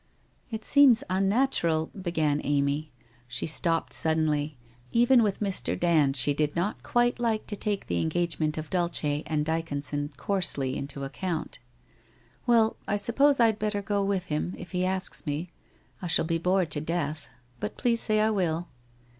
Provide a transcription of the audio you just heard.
'* It seems unnatural ' began Amy. She stopped sud denly, even with Mr. Dand she did not quite like to take the engagement of Dulce and Dyconson coarsely into account. * Well, I suppose I had better go with him, if he asks me. I shall be bored to death. But please say I will.'